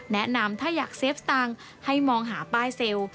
แนะนำถ้าอยากเซฟสตางค์ให้มองหาป้ายเซลล์